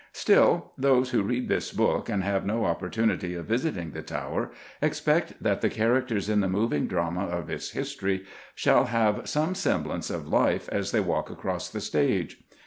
Still, those who read this book and have no opportunity of visiting the Tower expect that the characters in the moving drama of its history shall have some semblance of life as they walk across the stage.